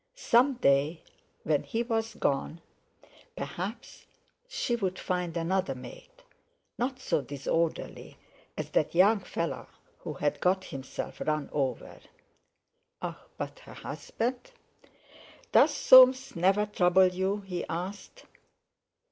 Some day when he was gone, perhaps, she would find another mate—not so disorderly as that young fellow who had got himself run over. Ah! but her husband? "Does Soames never trouble you?" he asked.